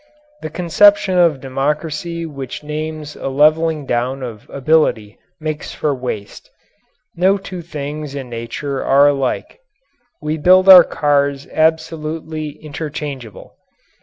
The conception of democracy which names a leveling down of ability makes for waste. No two things in nature are alike. We build our cars absolutely interchangeable.